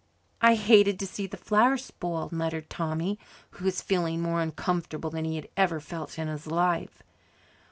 "I hated to see the flowers spoiled," muttered Tommy, who was feeling more uncomfortable than he had ever felt in his life.